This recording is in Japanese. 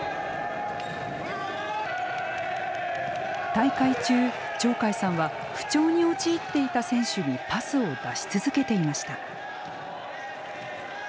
大会中鳥海さんは不調に陥っていた選手にパスを出し続けていました。